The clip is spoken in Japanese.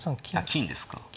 金ですか。